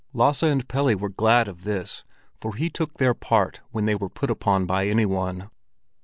Lasse and Pelle were glad of this, for he took their part when they were put upon by any one.